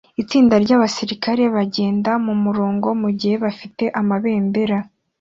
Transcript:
Itsinda ryabasirikare bagenda mumurongo mugihe bafite amabendera